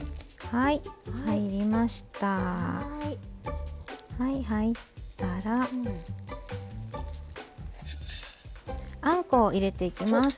はい入ったらあんこを入れていきます。